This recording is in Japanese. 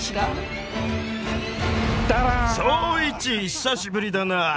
久しぶりだな。